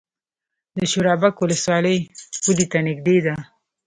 د شورابک ولسوالۍ پولې ته نږدې ده